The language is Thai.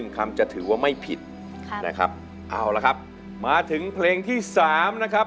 คำจะถือว่าไม่ผิดนะครับเอาละครับมาถึงเพลงที่๓นะครับ